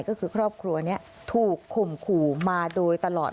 ก็คือครอบครัวนี้ถูกข่มขู่มาโดยตลอด